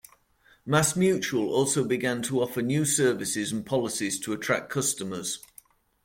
MassMutual also began to offer new services and policies to attract customers.